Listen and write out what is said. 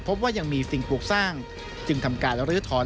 พบว่ายังมีสิ่งปลูกสร้างจึงทำการรื้อถอน